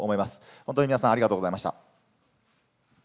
本当に皆さん、ありがとうございました。